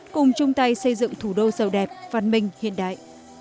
cùng chung tay xây dựng thủ đô giàu đẹp văn minh hiện đại